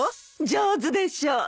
上手でしょ？えっ！？